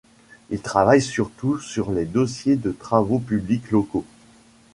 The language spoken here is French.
Il travaille surtout sur les dossiers de travaux publics locaux.